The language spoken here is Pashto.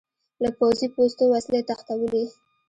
له پوځي پوستو وسلې تښتولې.